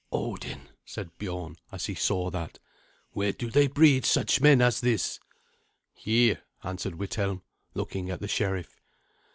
"Odin!" said Biorn, as he saw that, "where do they breed such men as this?" "Here," answered Withelm, looking at the sheriff.